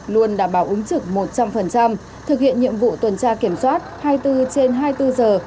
luôn đảm bảo ứng trực một trăm linh thực hiện nhiệm vụ tuần tra kiểm soát hai mươi bốn trên hai mươi bốn giờ